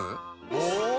お！